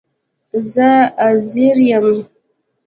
زه عزير يم